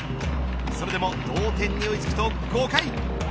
それでも同点に追い付くと５回。